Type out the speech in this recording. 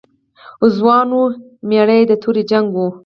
ځوان و، مېړه د تورې جنګ و.